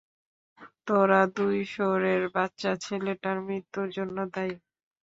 তোরা দুই শুয়োরের বাচ্চা ছেলেটার মৃত্যুর জন্য দায়ী!